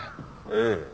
ええ。